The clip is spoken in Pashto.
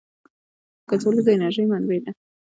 کچالو د انرژۍ منبع ده